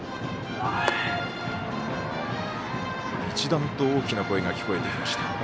一段と大きな声が聞こえてきました。